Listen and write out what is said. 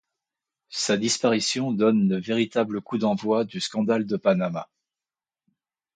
Sa disparition donne le véritable coup d’envoi du scandale de Panama.